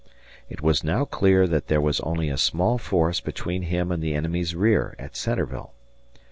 It was now clear that there was only a small force between him and the enemy's rear at Centreville.